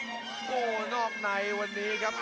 โอ้โหนอกในวันนี้ครับ